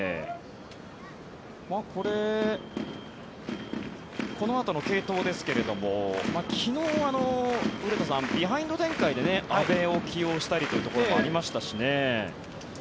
これこのあとの継投ですが昨日、古田さんビハインド展開で阿部を起用したりということもありましたしね。